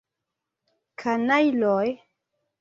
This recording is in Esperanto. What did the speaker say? Kanajloj!